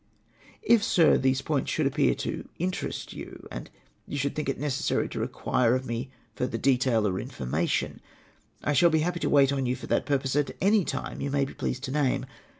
" If, Sir, these points should appear to interest you, and you should think it necessary to require of me further detail or information, I shall be happy to wait on you for that pur pose at any time you may be pleased to name.